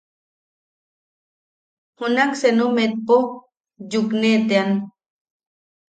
Junak senu metpo yukenetean.